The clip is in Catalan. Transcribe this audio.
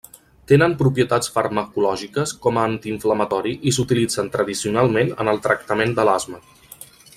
Tenen propietats farmacològiques com a antiinflamatori i s'utilitzen tradicionalment en el tractament de l'asma.